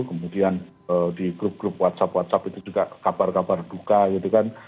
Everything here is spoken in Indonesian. kemudian di grup grup whatsapp whatsapp itu juga kabar kabar duka gitu kan